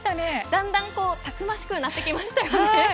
だんだんたくましくなってきました。